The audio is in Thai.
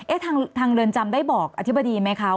ทางเรือนจำได้บอกอธิบดีไหมคะ